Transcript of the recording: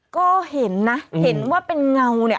ก็เห็นนะเห็นว่าเป็นเงาเนี่ย